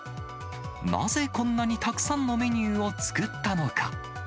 なぜこんなにたくさんのメニューを作ったのか。